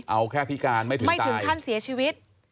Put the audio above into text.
เอาแค่พิการไม่ถึงไม่ถึงขั้นเสียชีวิต